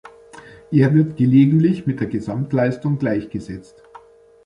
Er wird gelegentlich mit der Gesamtleistung gleichgesetzt.